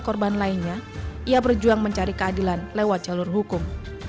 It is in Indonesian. korban lainnya ia berjuang mencari keadilan lewat jalur hukum